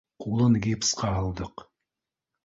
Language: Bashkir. Ҡулын гипсҡа һалдыҡ